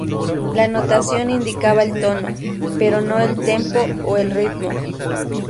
La notación indicaba el tono, pero no el tempo o el ritmo.